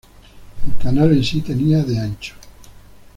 El canal en sí tenía de ancho.